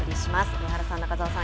上原さん、中澤さん